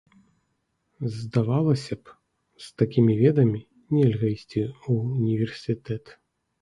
Здавалася б, з такімі ведамі нельга ісці ў універсітэт.